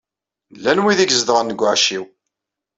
Llan wid i izedɣen deg uɛecciw.